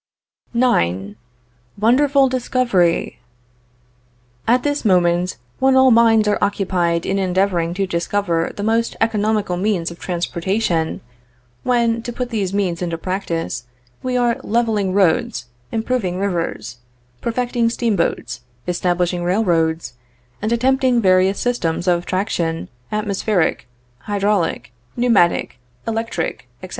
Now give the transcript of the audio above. IX. WONDERFUL DISCOVERY! At this moment, when all minds are occupied in endeavoring to discover the most economical means of transportation; when, to put these means into practice, we are leveling roads, improving rivers, perfecting steamboats, establishing railroads, and attempting various systems of traction, atmospheric, hydraulic, pneumatic, electric, etc.